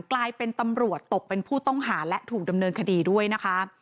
กลายเป็นตำรวจตกเป็นผู้ต้องหาและถูกดำเนินคดีด้วยนะคะ